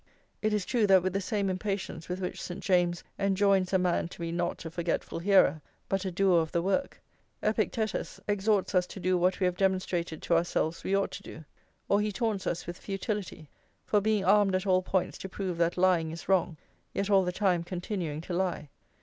It is true that with the same impatience with which St. James enjoins a man to be not a forgetful hearer, but a doer of the work,+ Epictetus exhorts us to do what we have demonstrated to ourselves we ought to do; or he taunts us with futility, for being armed at all points to prove that lying is wrong, yet all the time continuing to lie.